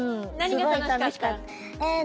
すごい楽しかった。